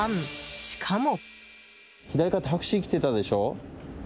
しかも。